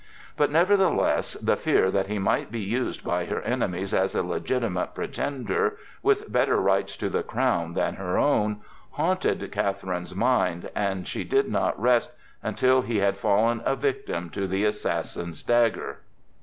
But nevertheless the fear that he might be used by her enemies as a legitimate pretender, with better rights to the crown than her own, haunted Catherine's mind, and she did not rest until he had fallen a victim to the assassin's dagger.